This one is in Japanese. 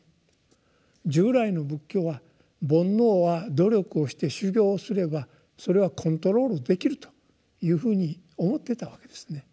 従来の仏教は「煩悩」は努力をして修行をすればそれはコントロールできるというふうに思っていたわけですね。